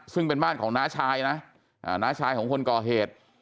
ซึ่งเป็นบ้านของน้าชายนะน้าชายของคนก่อเหตุ